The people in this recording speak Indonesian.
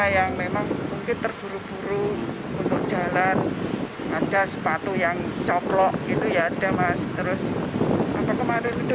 yang memang mungkin terburu buru untuk jalan ada sepatu yang coplok gitu ya ada mas terus apa kemarin itu